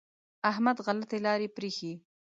احمد غلطې لارې پرېښې.